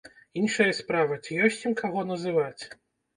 Іншая справа, ці ёсць ім каго называць?